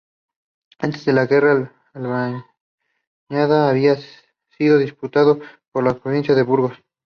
Antes de la guerra, Albiñana había sido diputado por la provincia de Burgos.